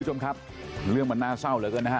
คุณผู้ชมครับเรื่องมันน่าเศร้าเหลือเกินนะฮะ